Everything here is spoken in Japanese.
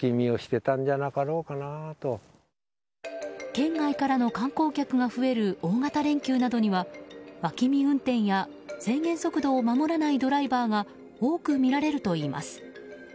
県外からの観光客が増える大型連休などには脇見運転や制限速度を守らないドライバーが多く見られるといいます。